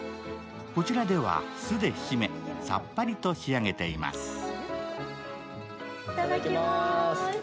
こちらでは酢で締め、さっぱりと仕上げています。